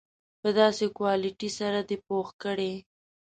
په داسې کوالیټي سره دې پوخ کړي.